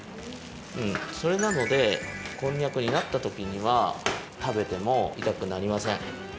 それなのでこんにゃくになったときにはたべてもいたくなりません。